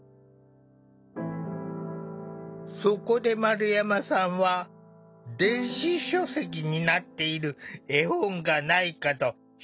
そこで丸山さんは電子書籍になっている絵本がないかと調べてみた。